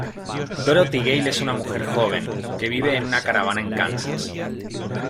Dorothy Gale es una joven mujer que vive en una caravana en Kansas.